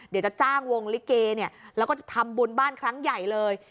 เดี๋ยวจะจ้างวงลิเกแล้วก็จะทำบุญบ้านครั้งใหญ่เลย